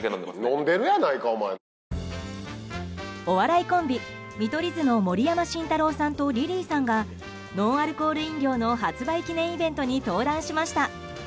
お笑いコンビ見取り図の盛山晋太郎さんとリリーさんがノンアルコール飲料の発売記念イベントに登壇しました。